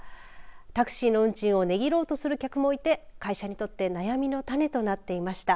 タクシーの運賃を値切ろうとする客もいて会社にとって悩みの種となっていました。